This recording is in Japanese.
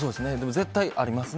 絶対ありますね。